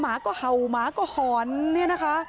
หมาก็เห่าตลอดคืนเลยเหมือนมีผีจริง